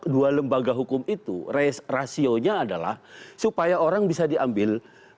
dua lembaga hukum itu rasionya adalah supaya orang bisa diambil